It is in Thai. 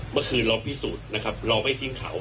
เมื่อคืนเราพิสูจน์นะครับเราไม่ทิ้งเขา